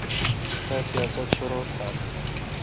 تا سیاست شرو تھال۔